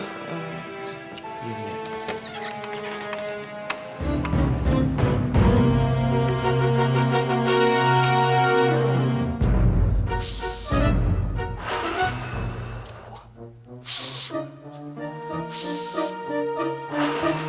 untuk jayaku kan tepat